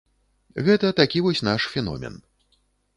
Гэта такі вось наш феномен.